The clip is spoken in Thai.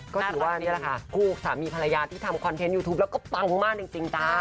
ก็ถือว่านี่แหละค่ะคู่สามีภรรยาที่ทำคอนเทนต์ยูทูปแล้วก็ปังมากจริงจ้า